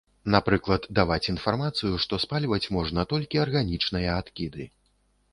Напрыклад, даваць інфармацыю, што спальваць можна толькі арганічныя адкіды.